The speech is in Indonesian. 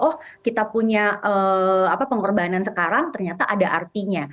oh kita punya pengorbanan sekarang ternyata ada artinya